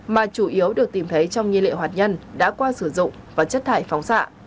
mà chủ yếu được tìm thấy trong nhiên liệu hạt nhân đã qua sử dụng và chất thải phóng xạ